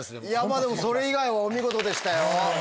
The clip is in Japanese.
でもそれ以外はお見事でしたよ。